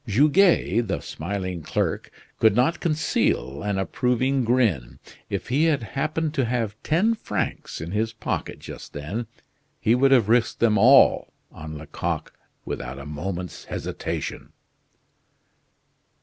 Goguet, the smiling clerk, could not conceal an approving grin. If he had happened to have ten francs in his pocket just then he would have risked them all on Lecoq without a moment's hesitation.